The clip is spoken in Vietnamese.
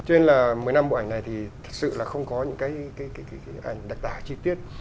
cho nên là một mươi năm bộ ảnh này thì thật sự là không có những cái ảnh đặt tả chi tiết